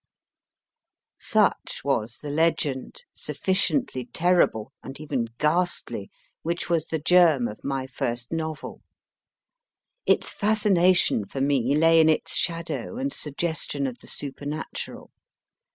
Such was the legend, sufficiently terrible, and even ghastly, which was the germ of my first novel. Its fascination for me lay in its shadow and suggestion of the supernatural.